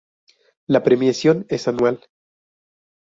La premiación es anual.